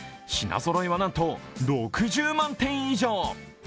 品ぞろえはなんと６０万点以上。